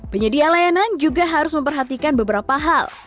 penyedia layanan juga harus memperhatikan beberapa hal